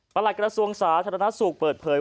ปลัสกระทรวงศาสตร์ธนสุรเปิดเผย